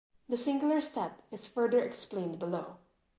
The singular set is further explained below.